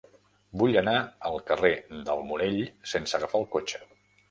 Vull anar al carrer del Morell sense agafar el cotxe.